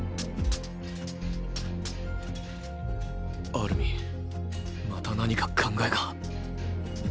アルミンまた何か考えが？